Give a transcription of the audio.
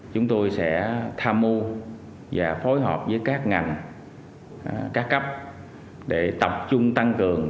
chúng tôi sẽ tham mưu và phối hợp với các ngành các cấp để tập trung tăng cường